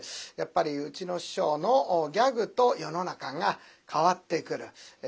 やっぱりうちの師匠のギャグと世の中が変わってくる。